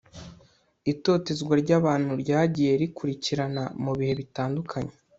itotezwa ry'abantu ryagiye rikurikirana mu bihe bitandukanye